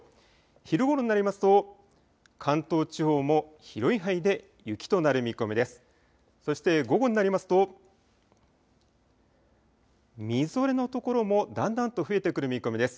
昼ごろになりますと関東地方も広い範囲で雪となる見込みです。